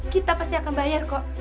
kita pasti akan bayar kok